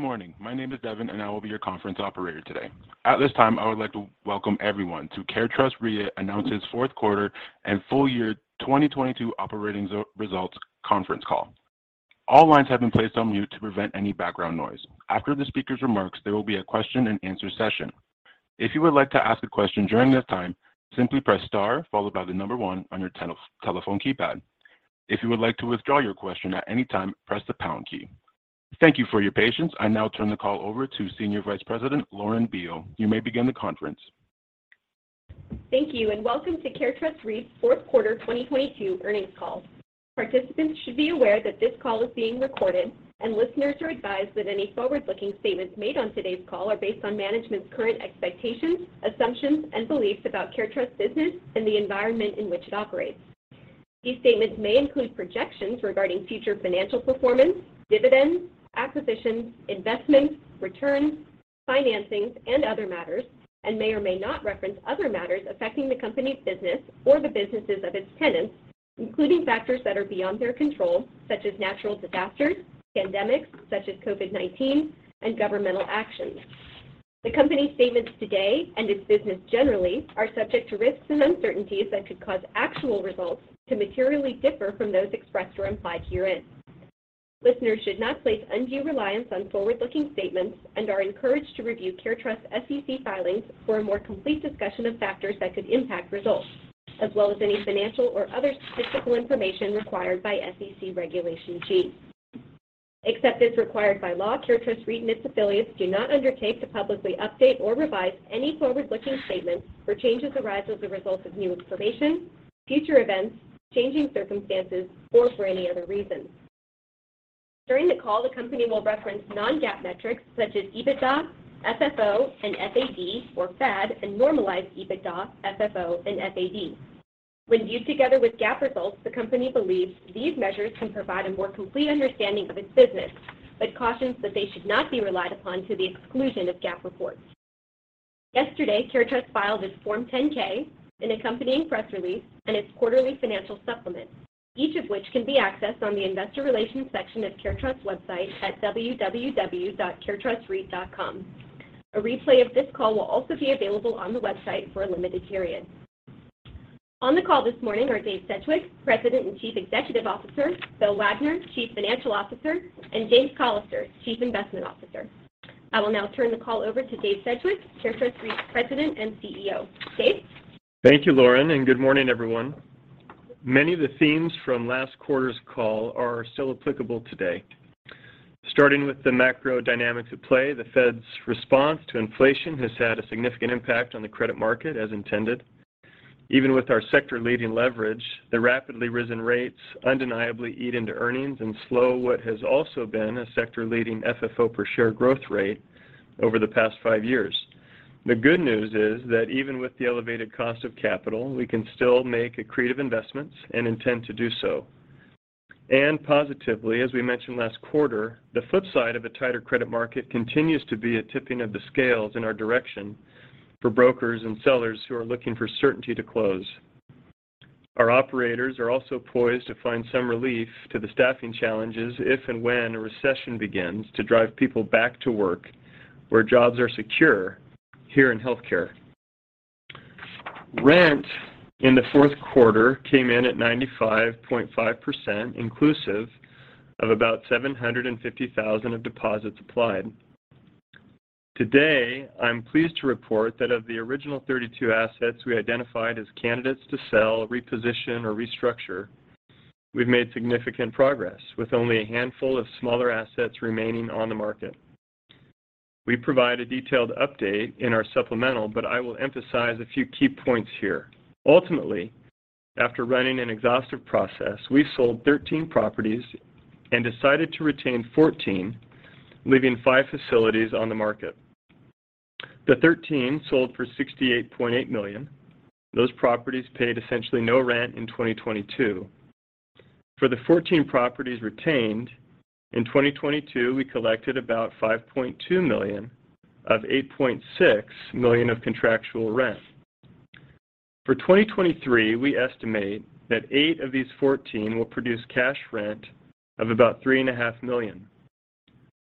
Good morning. My name is Devin. I will be your conference operator today. At this time, I would like to welcome everyone to CareTrust REIT Announces Fourth Quarter and Full Year 2022 Operating Results conference call. All lines have been placed on mute to prevent any background noise. After the speaker's remarks, there will be a question-and-answer session. If you would like to ask a question during this time, simply press star followed by one on your telephone keypad. If you would like to withdraw your question at any time, press the pound key. Thank you for your patience. I now turn the call over to Senior Vice President, Lauren Beale. You may begin the conference. Thank you. Welcome to CareTrust REIT's fourth quarter 2022 earnings call. Participants should be aware that this call is being recorded. Listeners are advised that any forward-looking statements made on today's call are based on management's current expectations, assumptions, and beliefs about CareTrust's business and the environment in which it operates. These statements may include projections regarding future financial performance, dividends, acquisitions, investments, returns, financings, and other matters. And may or may not reference other matters affecting the company's business or the businesses of its tenants, including factors that are beyond their control, such as natural disasters, pandemics such as COVID-19, and governmental actions. The company's statements today and its business generally are subject to risks and uncertainties that could cause actual results to materially differ from those expressed or implied herein. Listeners should not place undue reliance on forward-looking statements and are encouraged to review CareTrust's SEC filings for a more complete discussion of factors that could impact results, as well as any financial or other statistical information required by SEC Regulation G. Except as required by law, CareTrust REIT and its affiliates do not undertake to publicly update or revise any forward-looking statements where changes arise as a result of new information, future events, changing circumstances, or for any other reason. During the call, the company will reference non-GAAP metrics such as EBITDA, FFO, and FAD, or FAD, and normalized EBITDA, FFO, and FAD. When viewed together with GAAP results, the company believes these measures can provide a more complete understanding of its business, but cautions that they should not be relied upon to the exclusion of GAAP reports. Yesterday, CareTrust filed its Form 10-K and accompanying press release and its quarterly financial supplement, each of which can be accessed on the investor relations section of CareTrust's website at www.caretrustreit.com. A replay of this call will also be available on the website for a limited period. On the call this morning are Dave Sedgwick, President and Chief Executive Officer, Bill Wagner, Chief Financial Officer, and James Callister, Chief Investment Officer. I will now turn the call over to Dave Sedgwick, CareTrust REIT's President and CEO. Dave? Thank you, Lauren. Good morning, everyone. Many of the themes from last quarter's call are still applicable today. Starting with the macro dynamics at play, the Fed's response to inflation has had a significant impact on the credit market as intended. Even with our sector-leading leverage, the rapidly risen rates undeniably eat into earnings and slow what has also been a sector-leading FFO per share growth rate over the past five years. The good news is that even with the elevated cost of capital, we can still make accretive investments and intend to do so. Positively, as we mentioned last quarter, the flip side of a tighter credit market continues to be a tipping of the scales in our direction for brokers and sellers who are looking for certainty to close. Our operators are also poised to find some relief to the staffing challenges if and when a recession begins to drive people back to work where jobs are secure here in healthcare. Rent in the fourth quarter came in at 95.5% inclusive of about $750,000 of deposits applied. Today, I'm pleased to report that of the original 32 assets we identified as candidates to sell, reposition, or restructure, we've made significant progress with only a handful of smaller assets remaining on the market. We provide a detailed update in our supplemental, but I will emphasize a few key points here. Ultimately, after running an exhaustive process, we sold 13 properties and decided to retain 14, leaving five facilities on the market. The 13 sold for $68.8 million. Those properties paid essentially no rent in 2022. For the 14 properties retained, in 2022, we collected about $5.2 million of $8.6 million of contractual rent. For 2023, we estimate that eight of these 14 will produce cash rent of about $3.5 Million.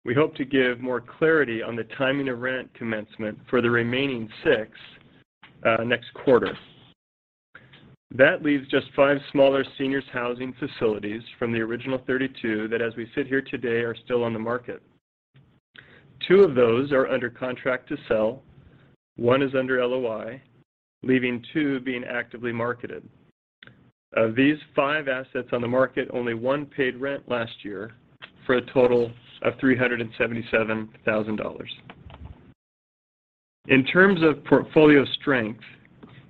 We hope to give more clarity on the timing of rent commencement for the remaining six out of next quarter. That leaves just five smaller seniors housing facilities from the original 32 that as we sit here today are still on the market. Two of those are under contract to sell, one is under LOI, leaving two being actively marketed. Of these five assets on the market, only one paid rent last year for a total of $377,000. In terms of portfolio strength,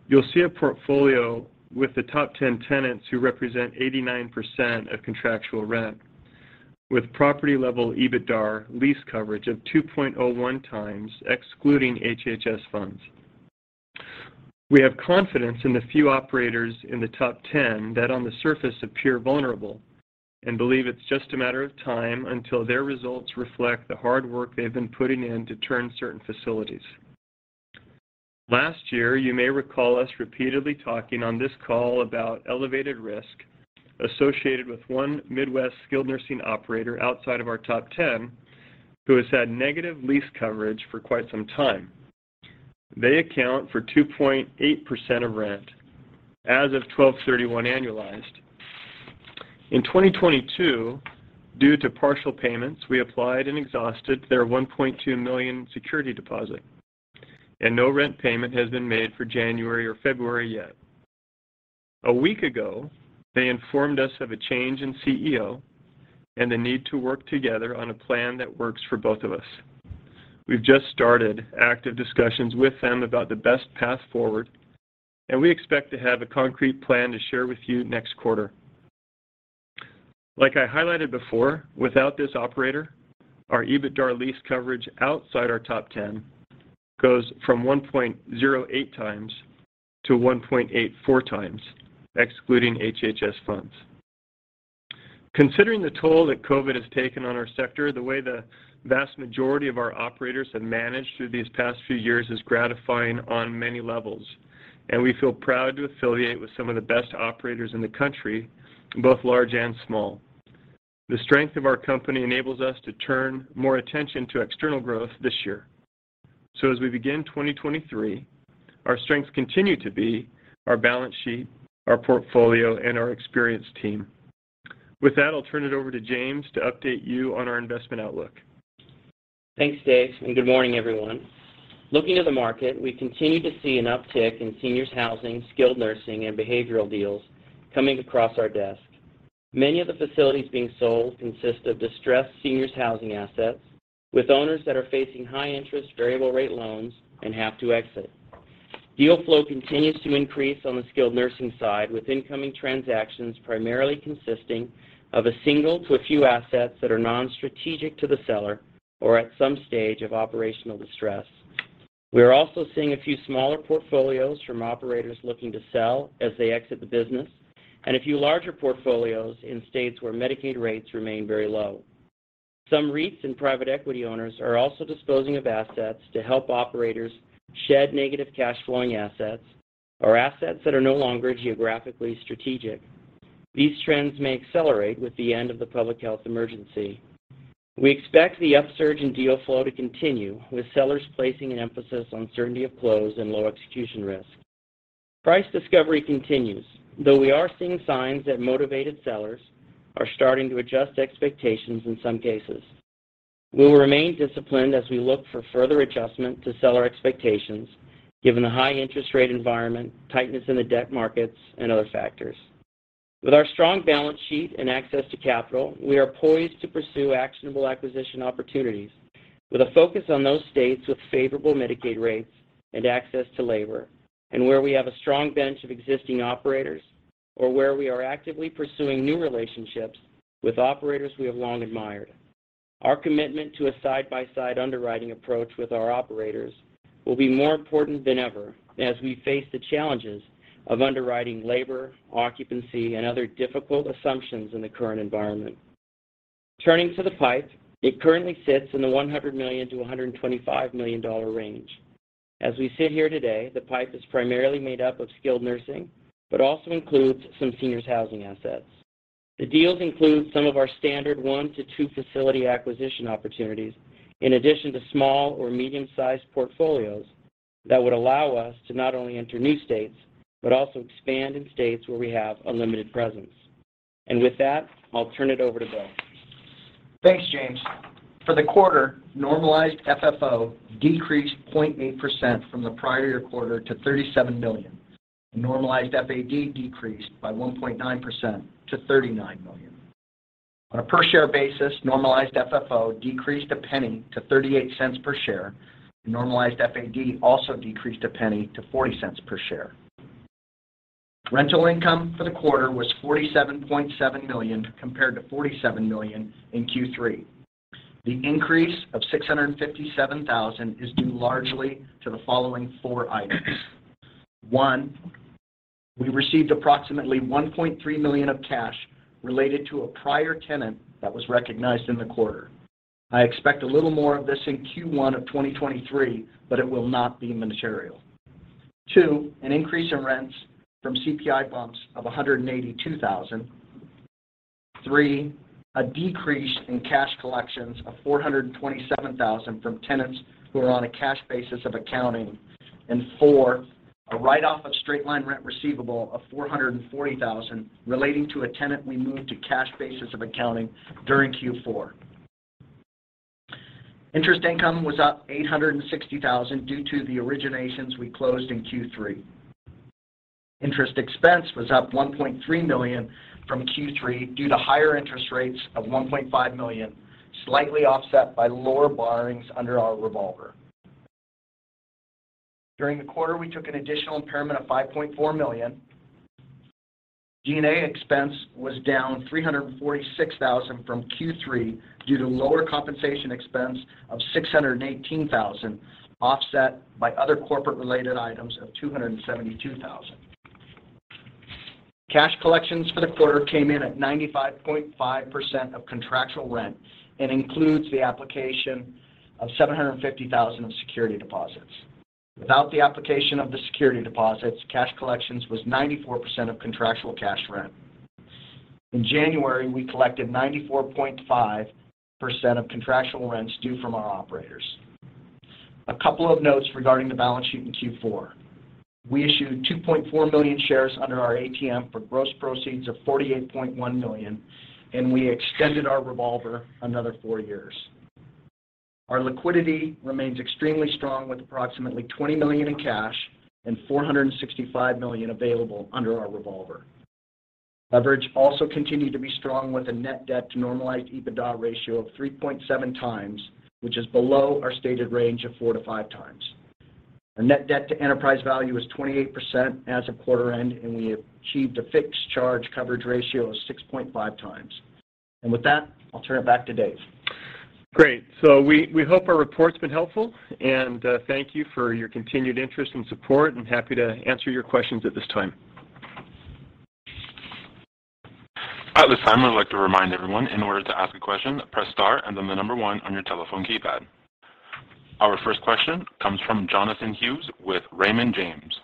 you'll see a portfolio with the top 10 tenants who represent 89% of contractual rent with property-level EBITDAR lease coverage of 2.01 times excluding HHS funds. We have confidence in the few operators in the top 10 that on the surface appear vulnerable and believe it's just a matter of time until their results reflect the hard work they've been putting in to turn certain facilities. Last year, you may recall us repeatedly talking on this call about elevated risk associated with one Midwest skilled nursing operator outside of our top 10 who has had negative lease coverage for quite some time. They account for 2.8% of rent as of 12/31 annualized. In 2022, due to partial payments, we applied and exhausted their $1.2 million security deposit. No rent payment has been made for January or February yet. A week ago, they informed us of a change in CEO and the need to work together on a plan that works for both of us. We've just started active discussions with them about the best path forward. We expect to have a concrete plan to share with you next quarter. Like I highlighted before, without this operator, our EBITDA lease coverage outside our top 10 goes from 1.08 times to 1.84 times, excluding HHS funds. Considering the toll that COVID has taken on our sector, the way the vast majority of our operators have managed through these past few years is gratifying on many levels, we feel proud to affiliate with some of the best operators in the country, both large and small. The strength of our company enables us to turn more attention to external growth this year. As we begin 2023, our strengths continue to be our balance sheet, our portfolio, and our experienced team. With that, I'll turn it over to James to update you on our investment outlook. Thanks, Dave. Good morning, everyone. Looking at the market, we continue to see an uptick in seniors housing, skilled nursing, and behavioral deals coming across our desk. Many of the facilities being sold consist of distressed seniors housing assets with owners that are facing high interest variable rate loans and have to exit. Deal flow continues to increase on the skilled nursing side with incoming transactions primarily consisting of a single to a few assets that are non-strategic to the seller or at some stage of operational distress. We are also seeing a few smaller portfolios from operators looking to sell as they exit the business and a few larger portfolios in states where Medicaid rates remain very low. Some REITs and private equity owners are also disposing of assets to help operators shed negative cash flowing assets or assets that are no longer geographically strategic. These trends may accelerate with the end of the public health emergency. We expect the upsurge in deal flow to continue, with sellers placing an emphasis on certainty of close and low execution risk. Price discovery continues, though we are seeing signs that motivated sellers are starting to adjust expectations in some cases. We will remain disciplined as we look for further adjustment to seller expectations, given the high interest rate environment, tightness in the debt markets, and other factors. With our strong balance sheet and access to capital, we are poised to pursue actionable acquisition opportunities with a focus on those states with favorable Medicaid rates and access to labor, and where we have a strong bench of existing operators or where we are actively pursuing new relationships with operators we have long admired. Our commitment to a side-by-side underwriting approach with our operators will be more important than ever as we face the challenges of underwriting labor, occupancy, and other difficult assumptions in the current environment. Turning to the pipe, it currently sits in the $100 million-$125 million range. As we sit here today, the pipe is primarily made up of skilled nursing, but also includes some seniors housing assets. The deals include some of our standard one-to-two facility acquisition opportunities, in addition to small or medium-sized portfolios that would allow us to not only enter new states, but also expand in states where we have a limited presence. With that, I'll turn it over to Bill. Thanks, James. For the quarter, normalized FFO decreased 0.8% from the prior year quarter to $37 million, and normalized FAD decreased by 1.9% to $39 million. On a per share basis, normalized FFO decreased a penny to $0.38 per share, and normalized FAD also decreased a penny to $0.40 per share. Rental income for the quarter was $47.7 million compared to $47 million in Q3. The increase of $657,000 is due largely to the following four items. One, we received approximately $1.3 million of cash related to a prior tenant that was recognized in the quarter. I expect a little more of this in Q1 of 2023, but it will not be material. Two, an increase in rents from CPI bumps of $182,000. Three, a decrease in cash collections of $427,000 from tenants who are on a cash basis of accounting. And four, a write-off of straight-line rent receivable of $440,000 relating to a tenant we moved to cash basis of accounting during Q4. Interest income was up $860,000 due to the originations we closed in Q3. Interest expense was up $1.3 million from Q3 due to higher interest rates of $1.5 million, slightly offset by lower borrowings under our revolver. During the quarter, we took an additional impairment of $5.4 million. G&A expense was down $346,000 from Q3 due to lower compensation expense of $618,000, offset by other corporate related items of $272,000. Cash collections for the quarter came in at 95.5% of contractual rent and includes the application of $750,000 of security deposits. Without the application of the security deposits, cash collections was 94% of contractual cash rent. In January, we collected 94.5% of contractual rents due from our operators. A couple of notes regarding the balance sheet in Q4. We issued 2.4 million shares under our ATM for gross proceeds of $48.1 million. And we extended our revolver another four years. Our liquidity remains extremely strong with approximately $20 million in cash and $465 million available under our revolver. Leverage also continued to be strong with a net debt to normalized EBITDA ratio of 3.7 times, which is below our stated range of four to five times. Our net debt to enterprise value is 28% as of quarter end, and we achieved a fixed charge coverage ratio of 6.5 times. With that, I'll turn it back to Dave. Great. We hope our report's been helpful, and, thank you for your continued interest and support and happy to answer your questions at this time. At this time, I'd like to remind everyone, in order to ask a question, press star and then the number one on your telephone keypad. Our first question comes from Jonathan Hughes with Raymond James.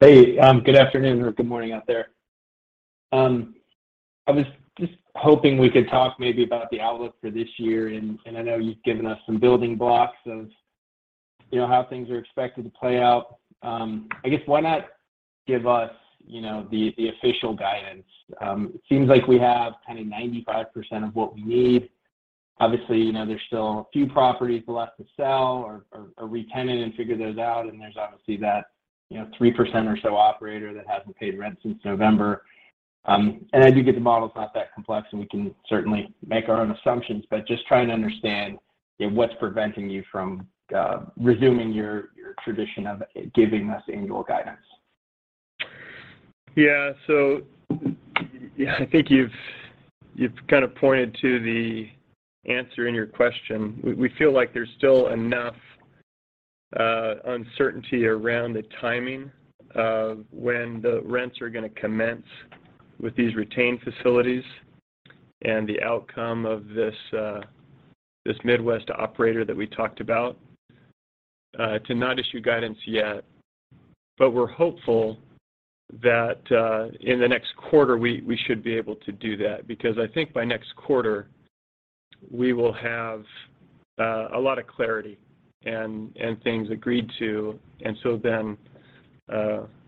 Hey, good afternoon or good morning out there. I was just hoping we could talk maybe about the outlook for this year and I know you've given us some building blocks of, you know, how things are expected to play out. I guess why not give us, you know, the official guidance? It seems like we have kind of 95% of what we need. Obviously, you know, there's still a few properties left to sell or retenant and figure those out, and there's obviously that, you know, 3% or so operator that hasn't paid rent since November. I do get the model is not that complex, and we can certainly make our own assumptions, but just trying to understand what's preventing you from resuming your tradition of giving us annual guidance. Yeah. Yeah, I think you've kind of pointed to the answer in your question. We feel like there's still enough uncertainty around the timing of when the rents are gonna commence with these retained facilities and the outcome of this Midwest operator that we talked about to not issue guidance yet. We're hopeful that in the next quarter, we should be able to do that because I think by next quarter, we will have a lot of clarity and things agreed to.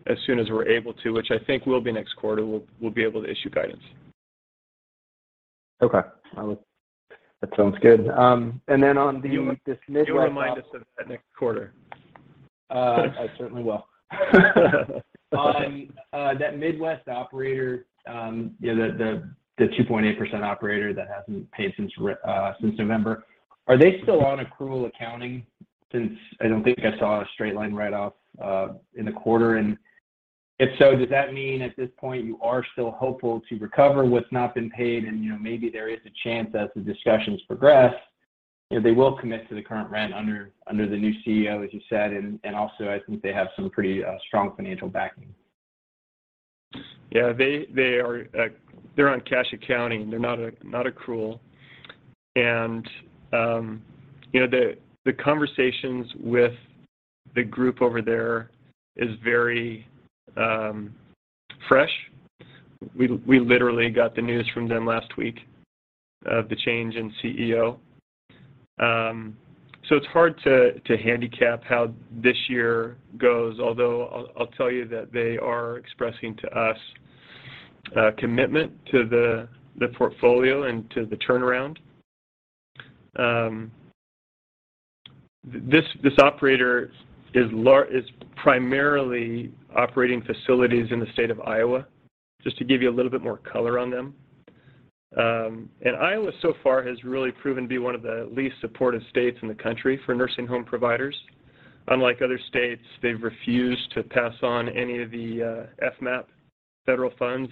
As soon as we're able to, which I think will be next quarter, we'll be able to issue guidance. Okay. That sounds good. Do. This Midwest- Do remind us of that next quarter. I certainly will. On that Midwest operator, you know, the 2.8% operator that hasn't paid since November, are they still on accrual accounting since I don't think I saw a straight line write-off in the quarter? If so, does that mean at this point you are still hopeful to recover what's not been paid and, you know, maybe there is a chance as the discussions progress, you know, they will commit to the current rent under the new CEO, as you said, and also I think they have some pretty strong financial backing. Yeah. They are, they're on cash accounting. They're not a, not accrual. You know, the conversations with the group over there is very fresh. We literally got the news from them last week of the change in CEO. It's hard to handicap how this year goes, although I'll tell you that they are expressing to us commitment to the portfolio and to the turnaround. This operator is primarily operating facilities in the state of Iowa, just to give you a little bit more color on them. Iowa so far has really proven to be one of the least supportive states in the country for nursing home providers. Unlike other states, they've refused to pass on any of the FMAP federal funds.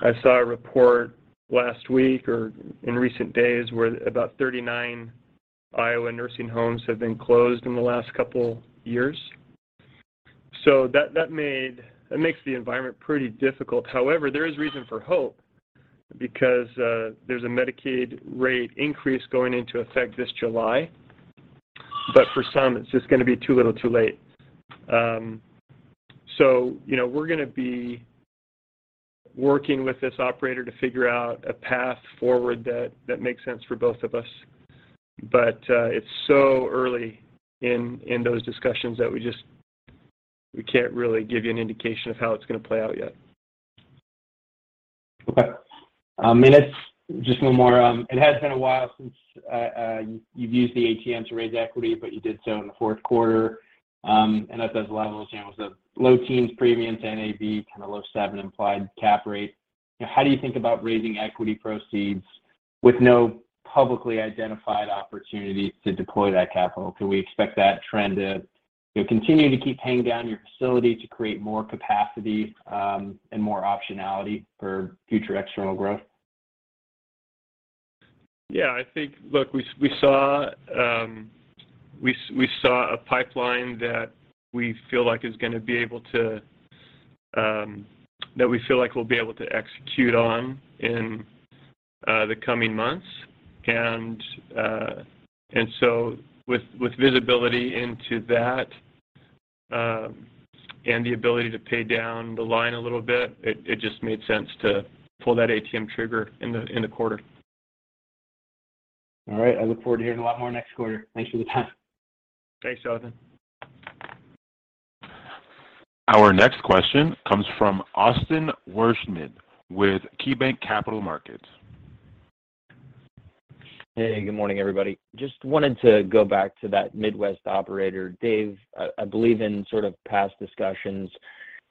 I saw a report last week or in recent days where about 39 Iowa nursing homes have been closed in the last couple years. That makes the environment pretty difficult. However, there is reason for hope because there's a Medicaid rate increase going into effect this July. For some, it's just gonna be too little too late. You know, we're gonna be working with this operator to figure out a path forward that makes sense for both of us. It's so early in those discussions that we can't really give you an indication of how it's gonna play out yet. Okay. It's just one more. It has been a while since you've used the ATM to raise equity, but you did so in the fourth quarter. That does a lot of those channels of low teens premium to NAV, kind of low seven implied cap rate. How do you think about raising equity proceeds with no publicly identified opportunity to deploy that capital? Can we expect that trend to, you know, continue to keep paying down your facility to create more capacity, and more optionality for future external growth? Yeah, Look, we saw a pipeline that we feel like is gonna be able to, that we feel like we'll be able to execute on in the coming months. With visibility into that and the ability to pay down the line a little bit, it just made sense to pull that ATM trigger in the quarter. All right. I look forward to hearing a lot more next quarter. Thanks for the time. Thanks, Jonathan. Our next question comes from Austin Wurschmidt with KeyBanc Capital Markets. Hey, good morning, everybody. Just wanted to go back to that Midwest operator. Dave, I believe in sort of past discussions,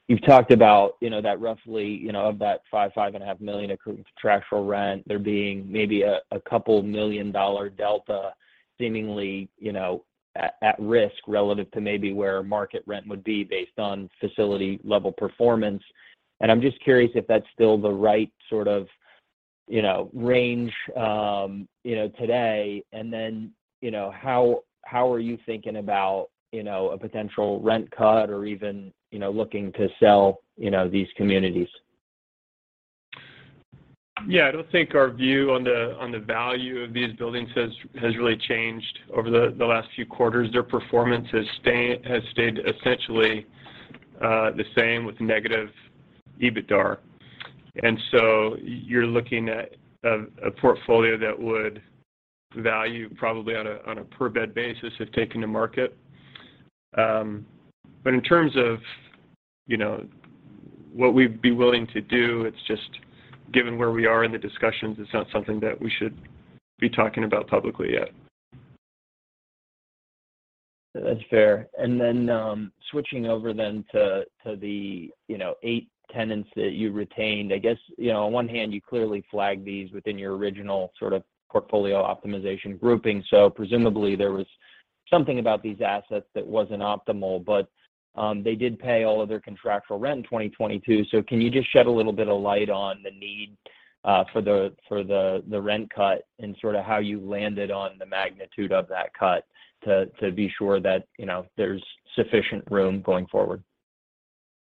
you've talked about, you know, that roughly, you know, of that $5 million-$5.5 million of contractual rent, there being maybe a $2 million delta seemingly, you know, at risk relative to maybe where market rent would be based on facility level performance. I'm just curious if that's still the right sort of, you know, range, you know, today. You know, how are you thinking about, you know, a potential rent cut or even, you know, looking to sell, you know, these communities? Yeah. I don't think our view on the value of these buildings has really changed over the last few quarters. Their performance has stayed essentially the same with negative EBITDAR. You're looking at a portfolio that would value probably on a per bed basis if taken to market. In terms of, you know, what we'd be willing to do, it's just given where we are in the discussions, it's not something that we should be talking about publicly yet. That's fair. Switching over then to the, you know, eight tenants that you retained. I guess, you know, on one hand, you clearly flagged these within your original sort of portfolio optimization grouping, so presumably there was something about these assets that wasn't optimal. They did pay all of their contractual rent in 2022, so can you just shed a little bit of light on the need for the rent cut and sort of how you landed on the magnitude of that cut to be sure that, you know, there's sufficient room going forward?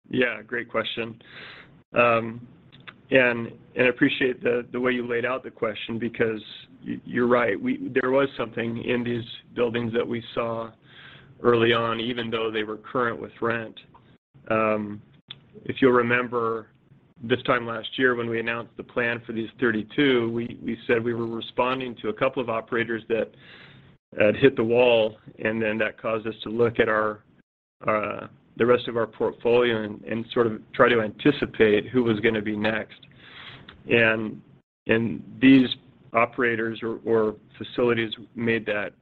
Yeah, great question. Appreciate the way you laid out the question because you're right. There was something in these buildings that we saw early on, even though they were current with rent. If you'll remember this time last year when we announced the plan for these 32, we said we were responding to a couple of operators that had hit the wall, that caused us to look at our the rest of our portfolio and sort of try to anticipate who was gonna be next. These operators or facilities made that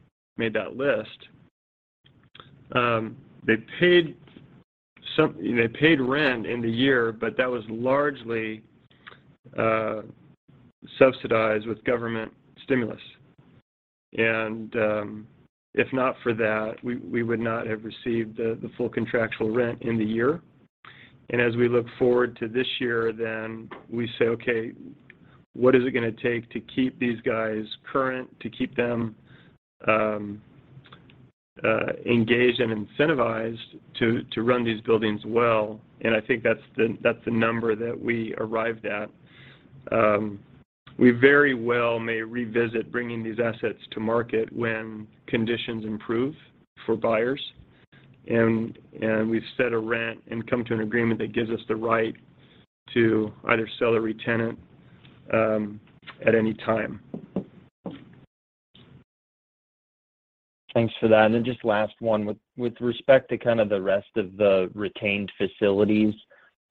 list. They paid rent in the year, but that was largely subsidized with government stimulus. If not for that, we would not have received the full contractual rent in the year. As we look forward to this year, then we say, "Okay, what is it gonna take to keep these guys current, to keep them, engaged and incentivized to run these buildings well?" I think that's the number that we arrived at. We very well may revisit bringing these assets to market when conditions improve for buyers, and we've set a rent and come to an agreement that gives us the right to either sell or retenant at any time. Thanks for that. Just last one. With respect to kind of the rest of the retained facilities,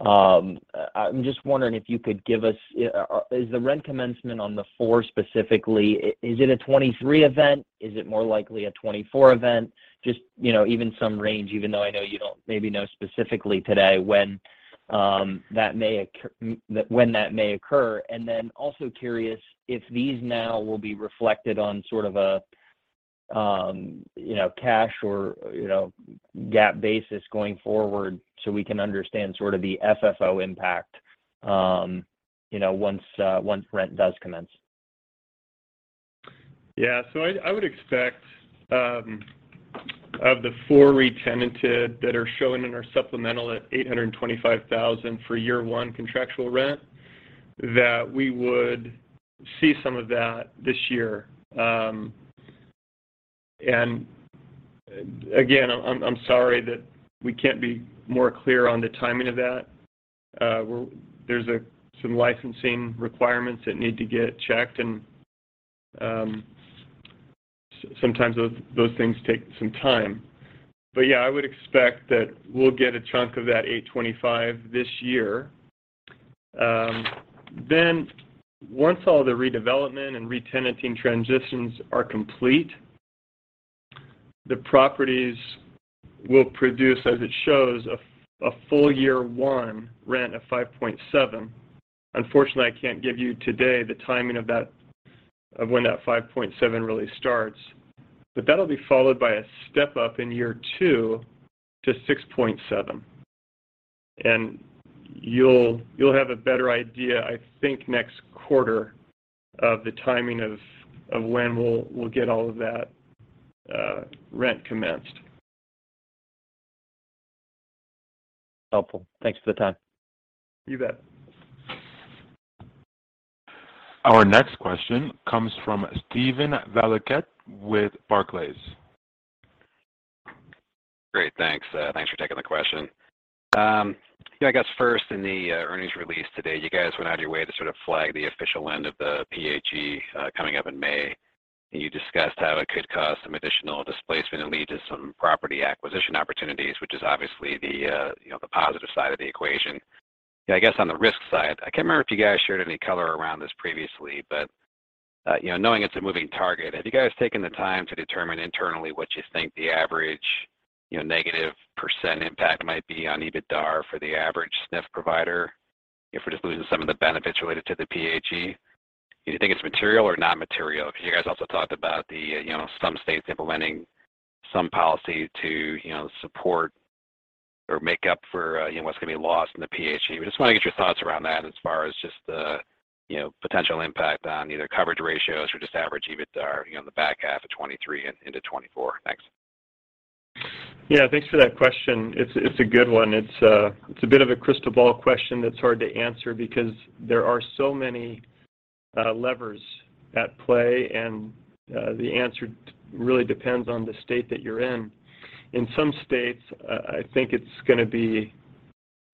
I'm just wondering if you could give us... Is the rent commencement on the four specifically, is it a 2023 event? Is it more likely a 2024 event? Just, you know, even some range, even though I know you don't maybe know specifically today when that may occur. Also curious if these now will be reflected on sort of a, you know, cash or, you know, GAAP basis going forward so we can understand sort of the FFO impact, once rent does commence. I would expect of the four retenanted that are shown in our supplemental at $825,000 for year one contractual rent, that we would see some of that this year. Again, I'm sorry that we can't be more clear on the timing of that. There's some licensing requirements that need to get checked and sometimes those things take some time. I would expect that we'll get a chunk of that $825 this year. Once all the redevelopment and retenanting transitions are complete, the properties will produce, as it shows, a full year one rent of $5.7 million. Unfortunately, I can't give you today the timing of that, of when that $5.7 million really starts. That'll be followed by a step-up in year two to 6.7. You'll have a better idea, I think, next quarter of the timing of when we'll get all of that rent commenced. Helpful. Thanks for the time. You bet. Our next question comes from Steven Valiquette with Barclays. Great, thanks. Thanks for taking the question. Yeah, I guess first in the earnings release today, you guys went out of your way to sort of flag the official end of the PHE coming up in May. You discussed how it could cause some additional displacement and lead to some property acquisition opportunities, which is obviously the, you know, the positive side of the equation. Yeah, I guess on the risk side, I can't remember if you guys shared any color around this previously, but, you know, knowing it's a moving target, have you guys taken the time to determine internally what you think the average, you know, negative % impact might be on EBITDAR for the average SNF provider if we're just losing some of the benefits related to the PHE? Do you think it's material or non-material? Because you guys also talked about the, you know, some states implementing some policy to, you know, support or make up for, you know, what's gonna be lost in the PHE. We just wanna get your thoughts around that as far as just the, you know, potential impact on either coverage ratios or just average EBITDAR, you know, in the back half of 2023 and into 2024. Thanks. Yeah, thanks for that question. It's a good one. It's a bit of a crystal ball question that's hard to answer because there are so many levers at play, and the answer really depends on the state that you're in. In some states, I think it's gonna be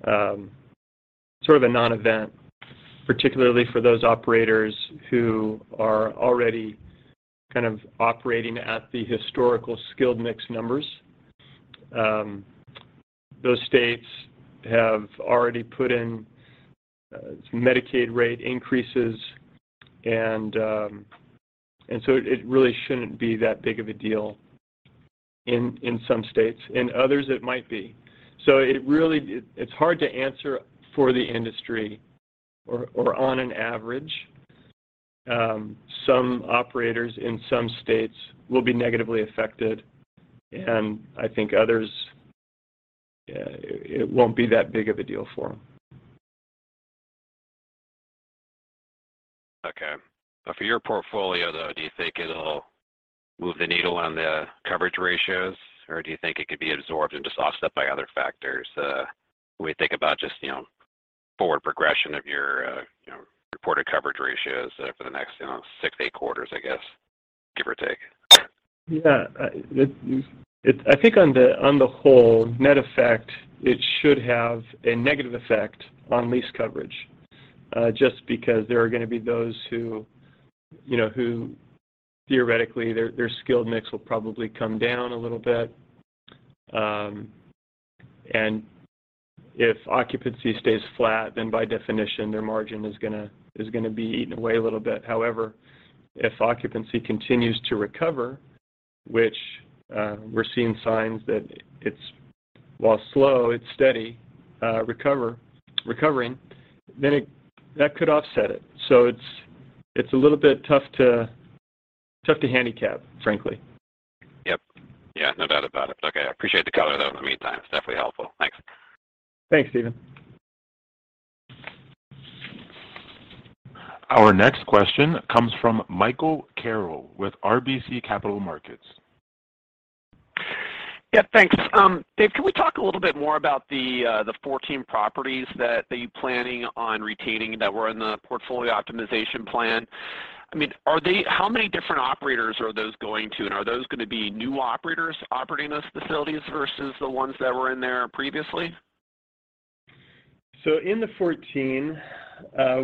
sort of a non-event, particularly for those operators who are already kind of operating at the historical skilled mix numbers. Those states have already put in some Medicaid rate increases, and it really shouldn't be that big of a deal in some states. In others, it might be. It's hard to answer for the industry or on an average. Some operators in some states will be negatively affected, and I think others, it won't be that big of a deal for them. Okay. For your portfolio, though, do you think it'll move the needle on the coverage ratios, or do you think it could be absorbed and just offset by other factors, when we think about just, you know, forward progression of your, you know, reported coverage ratios for the next, you know, six, eight quarters, I guess, give or take? Yeah. I think on the whole net effect, it should have a negative effect on lease coverage, just because there are gonna be those who, you know, who theoretically their skilled mix will probably come down a little bit. If occupancy stays flat, then by definition, their margin is gonna be eaten away a little bit. However, if occupancy continues to recover, which we're seeing signs that it's, while slow, it's steady, recovering, then that could offset it. It's a little bit tough to handicap, frankly. Yep. Yeah, no doubt about it. Okay. I appreciate the color, though, in the meantime. It's definitely helpful. Thanks. Thanks, Steven. Our next question comes from Michael Carroll with RBC Capital Markets. Yeah, thanks. Dave, can we talk a little bit more about the 14 properties that you're planning on retaining that were in the portfolio optimization plan? I mean, how many different operators are those going to, and are those gonna be new operators operating those facilities versus the ones that were in there previously? In the 14,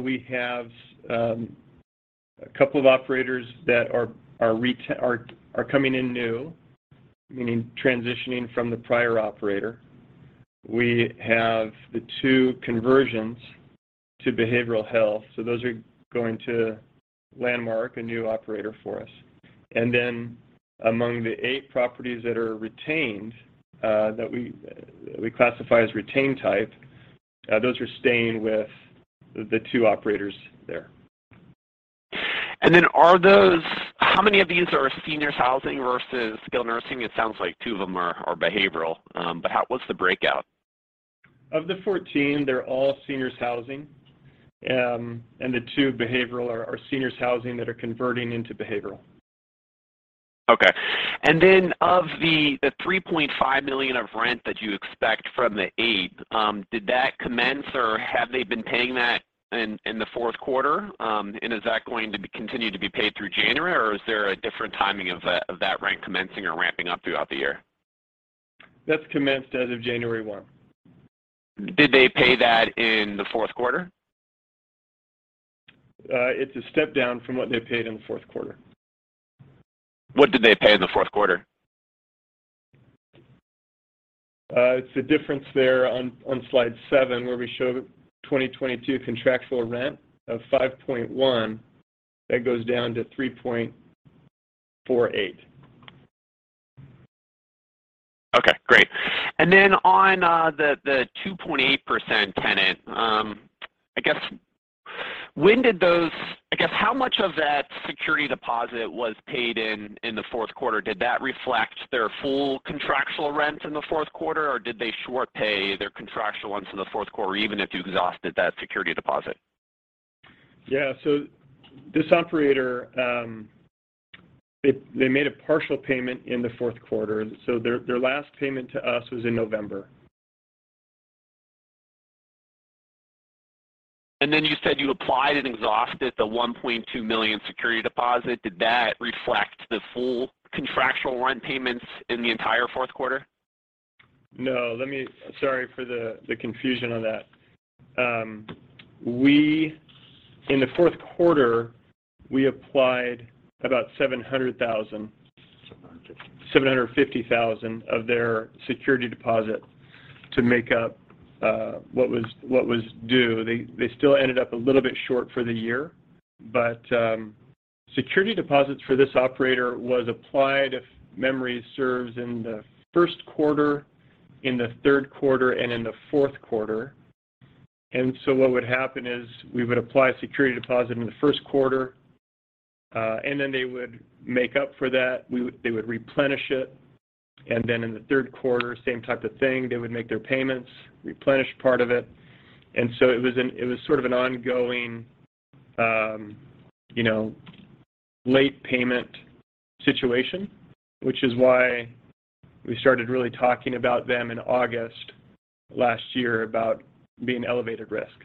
we have a couple of operators that are coming in new, meaning transitioning from the prior operator. We have the two conversions to behavioral health, so those are going to Landmark, a new operator for us. Among the eight properties that are retained, that we classify as retain type, those are staying with the two operators there. How many of these are senior housing versus skilled nursing? It sounds like two of them are behavioral, but what's the breakout? Of the 14, they're all senior housing, and the two behavioral are senior housing that are converting into behavioral. Okay. Of the $3.5 million of rent that you expect from the eight, did that commence, or have they been paying that in the fourth quarter? Is that going to be continue to be paid through January, or is there a different timing of that rent commencing or ramping up throughout the year? That's commenced as of January one. Did they pay that in the fourth quarter? It's a step down from what they paid in the fourth quarter. What did they pay in the fourth quarter? It's the difference there on slide seven, where we show the 2022 contractual rent of $5.1 that goes down to $3.48. Okay, great. Then on, the 2.8% tenant, I guess how much of that security deposit was paid in the fourth quarter? Did that reflect their full contractual rent in the fourth quarter, or did they short pay their contractual rents in the fourth quarter, even if you exhausted that security deposit? Yeah. This operator, they made a partial payment in the fourth quarter. Their last payment to us was in November. You said you applied and exhausted the $1.2 million security deposit. Did that reflect the full contractual rent payments in the entire fourth quarter? No. Sorry for the confusion on that. In the fourth quarter, we applied about $700,000. $750. $750,000 of their security deposit to make up what was due. They still ended up a little bit short for the year. Security deposits for this operator was applied, if memory serves, in the first quarter, in the third quarter, and in the fourth quarter. What would happen is we would apply a security deposit in the first quarter, and then they would make up for that. They would replenish it. In the third quarter, same type of thing, they would make their payments, replenish part of it. It was sort of an ongoing, you know, late payment situation, which is why we started really talking about them in August last year about being elevated risk.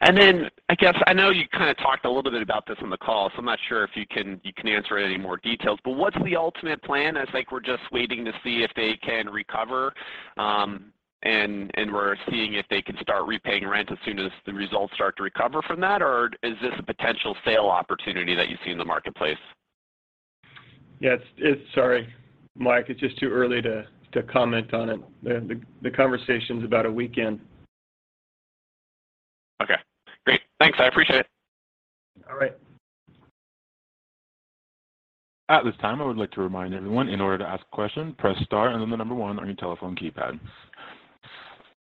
I guess I know you kinda talked a little bit about this on the call, so I'm not sure if you can answer it any more details, but what's the ultimate plan? It's like we're just waiting to see if they can recover, and we're seeing if they can start repaying rent as soon as the results start to recover from that? Is this a potential sale opportunity that you see in the marketplace? Yes. Sorry, Mike, it's just too early to comment on it. The conversation is about a week in. Okay, great. Thanks. I appreciate it. All right. At this time, I would like to remind everyone, in order to ask a question, press star and then the number one on your telephone keypad.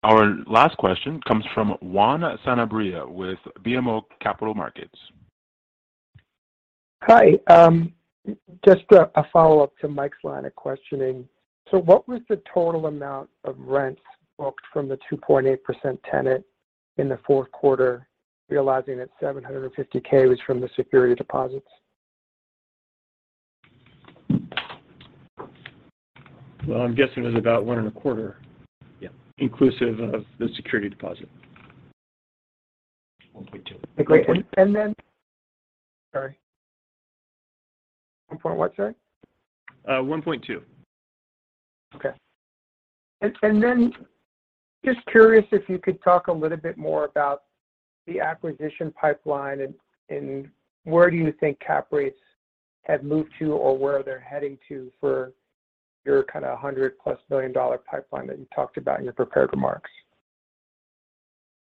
Our last question comes from Juan Sanabria with BMO Capital Markets. Hi. Just a follow-up to Mike's line of questioning. What was the total amount of rents booked from the 2.8% tenant in the fourth quarter, realizing that $750K was from the security deposits? Well, I'm guessing it was about one and a quarter. Yeah. Inclusive of the security deposit. $1.2 million. Great. Then. Sorry. One point what, sorry? $1.2 million. Okay. Just curious if you could talk a little bit more about the acquisition pipeline and where do you think cap rates have moved to or where they're heading to for your kinda $100 million-plus pipeline that you talked about in your prepared remarks?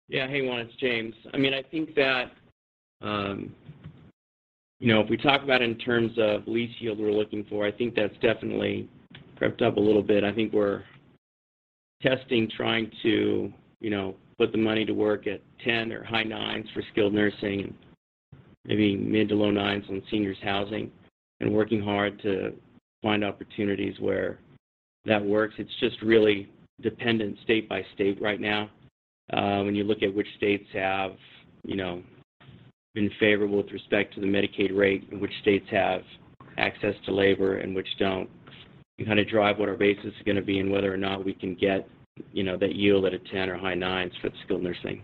Yeah. Hey, Juan, it's James. I mean, I think that, you know, if we talk about in terms of lease yield we're looking for, I think that's definitely crept up a little bit. I think we're testing, trying to, you know, put the money to work at 10% or high 9s for skilled nursing, maybe mid to low 9s on seniors housing and working hard to find opportunities where that works. It's just really dependent state by state right now, when you look at which states have, you know, been favorable with respect to the Medicaid rate and which states have access to labor and which don't. You kinda drive what our base is gonna be and whether or not we can get, you know, that yield at a 10% or high 9s for the skilled nursing.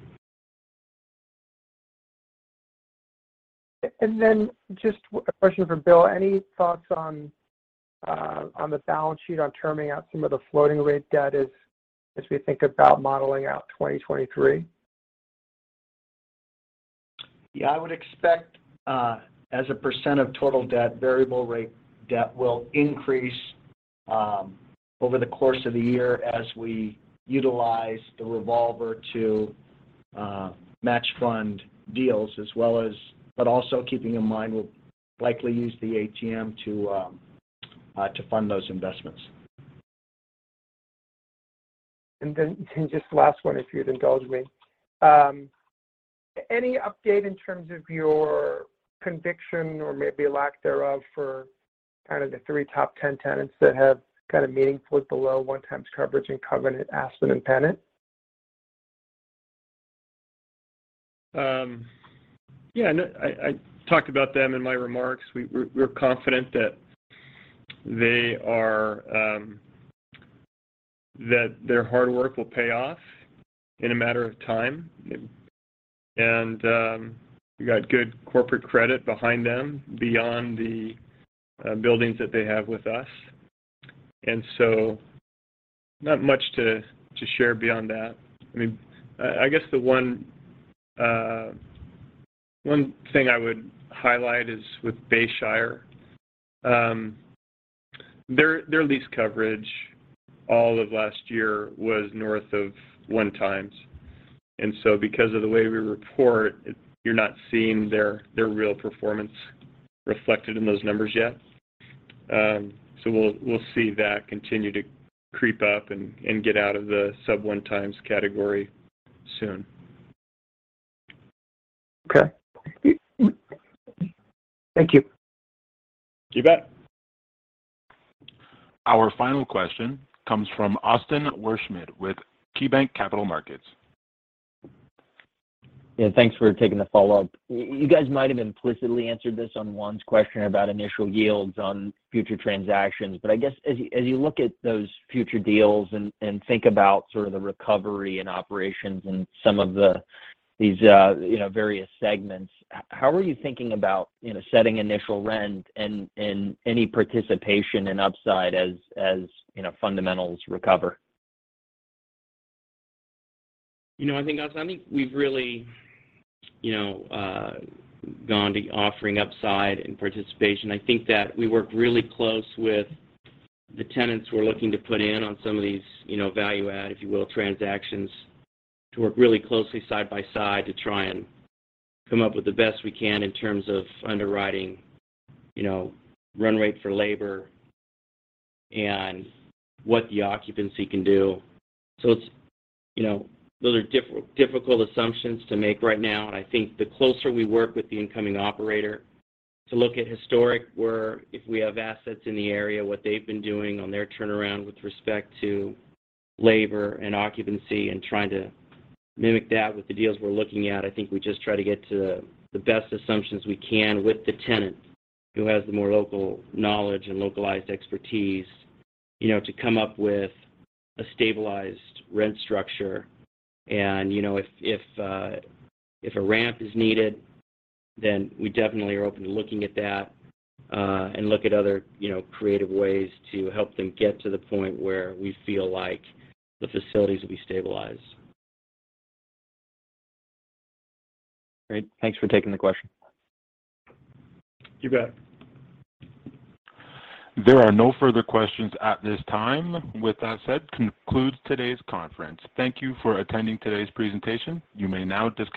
Then just a question for Bill. Any thoughts on the balance sheet on terming out some of the floating rate debt as we think about modeling out 2023? Yeah. I would expect, as a percent of total debt, variable rate debt will increase, over the course of the year as we utilize the revolver to, match fund deals but also keeping in mind we'll likely use the ATM to fund those investments. Just last one, if you'd indulge me. Any update in terms of your conviction or maybe lack thereof for the three top 10 tenants that have meaningfully below one times coverage and Covenant, Aspen, and Pennant? Yeah. No, I talked about them in my remarks. We're confident that they are that their hard work will pay off in a matter of time. We got good corporate credit behind them beyond the buildings that they have with us. Not much to share beyond that. I mean, I guess the one thing I would highlight is with Bayshire, their lease coverage all of last year was north of one times. Because of the way we report, you're not seeing their real performance Reflected in those numbers yet. We'll see that continue to creep up and get out of the sub one times category soon. Okay. Thank you. You bet. Our final question comes from Austin Wurschmidt with KeyBanc Capital Markets. Yeah, thanks for taking the follow-up. You guys might have implicitly answered this on Juan's question about initial yields on future transactions, but I guess as you look at those future deals and think about sort of the recovery and operations in some of these, you know, various segments, how are you thinking about, you know, setting initial rent and any participation in upside as, you know, fundamentals recover? You know, I think, Austin Wurschmidt, I think we've really, you know, gone to offering upside and participation. I think that we work really close with the tenants we're looking to put in on some of these, you know, value add, if you will, transactions to work really closely side by side to try and come up with the best we can in terms of underwriting, you know, run rate for labor and what the occupancy can do. It's, you know, those are difficult assumptions to make right now, and I think the closer we work with the incoming operator to look at historic, where if we have assets in the area, what they've been doing on their turnaround with respect to labor and occupancy and trying to mimic that with the deals we're looking at. I think we just try to get to the best assumptions we can with the tenant who has the more local knowledge and localized expertise, you know, to come up with a stabilized rent structure. You know, if a ramp is needed, then we definitely are open to looking at that and look at other, you know, creative ways to help them get to the point where we feel like the facilities will be stabilized. Great. Thanks for taking the question. You bet. There are no further questions at this time. With that said, concludes today's conference. Thank you for attending today's presentation. You may now disconnect.